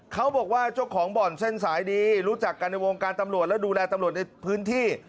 เขาบอกว่าเจ้าของบ่อนเส้นสายดีรู้จักกันในวงการตำรวจและดูแลตำรวจในพื้นที่